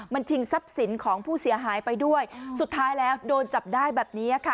มันชิงทรัพย์สินของผู้เสียหายไปด้วยสุดท้ายแล้วโดนจับได้แบบนี้ค่ะ